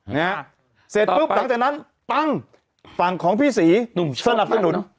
นะฮะเสร็จปุ๊บหลังจากนั้นปั้งฝั่งของพี่ศรีหนุ่มสนับสนุน